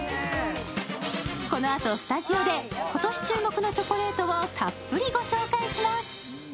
このあとスタジオで今年注目のチョコレートをたっぷりご紹介します。